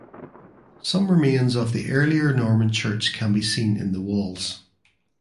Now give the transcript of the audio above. Some remains of the earlier Norman church can be seen in the walls.